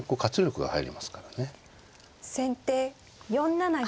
先手４七銀。